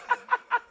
ハハハ！